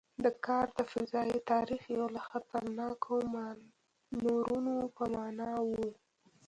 دا کار د فضايي تاریخ یو له خطرناکو مانورونو په معنا و.